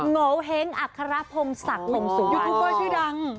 โงเห้งอัครพงศักดิ์ลงสู่ยูทูปเบอร์ชื่อดัง